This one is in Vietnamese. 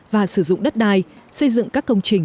và sử dụng đất đai xây dựng các công trình